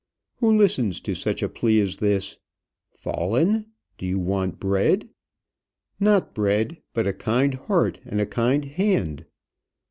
Who listens to such a plea as this? "Fallen! do you want bread?" "Not bread, but a kind heart and a kind hand."